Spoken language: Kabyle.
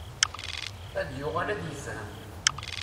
Ad yuɣal ad ifhem.